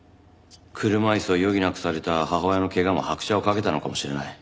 車椅子を余儀なくされた母親の怪我も拍車をかけたのかもしれない。